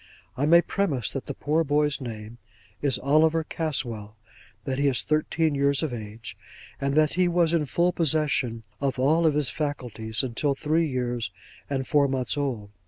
I may premise that the poor boy's name is Oliver Caswell; that he is thirteen years of age; and that he was in full possession of all his faculties, until three years and four months old.